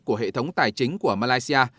của hệ thống tài chính của malaysia